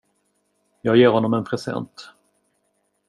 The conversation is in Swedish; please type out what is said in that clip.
Jag ger honom en present.